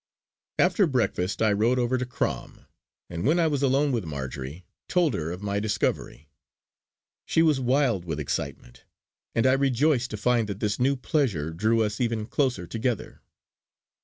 After breakfast I rode over to Crom, and when I was alone with Marjory told her of my discovery. She was wild with excitement, and I rejoiced to find that this new pleasure drew us even closer together.